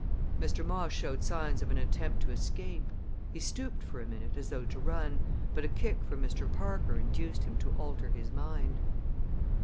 Mr. Moss showed signs of an attempt to escape. He stooped for a minute as though to run, but a kick from Mr. Parker induced him to alter his mind.